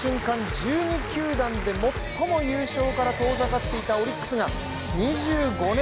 １２球団で最も優勝から遠ざかっていたオリックスが２５年